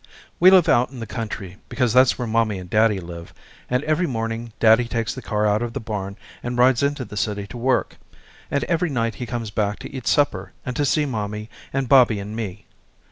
We live out in the country because that's where mommy and daddy live, and every morning daddy takes the car out of the barn and rides into the city to work, and every night he comes back to eat supper and to see mommy and Bobby and me.